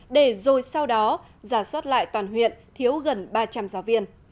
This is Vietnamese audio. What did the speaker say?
để rồi sau đó giả soát lại toàn huyện thiếu gần ba trăm linh giáo viên